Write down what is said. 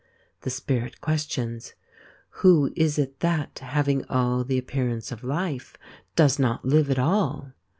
The Spirit questions : Who is it that, having all the appearance of life, does not live at all